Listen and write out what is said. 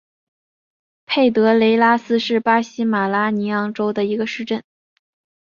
佩德雷拉斯是巴西马拉尼昂州的一个市镇。